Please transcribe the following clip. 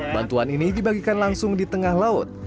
bantuan ini dibagikan langsung di tengah laut